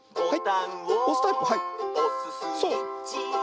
はい！